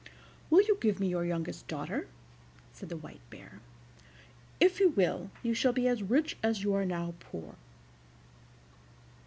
"Will you give me your youngest daughter?" said the White Bear; "if you will, you shall be as rich as you are now poor."